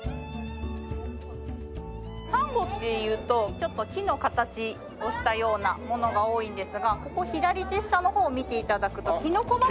サンゴっていうとちょっと木の形をしたようなものが多いんですがここ左手下の方を見て頂くとキノコ畑みたいに。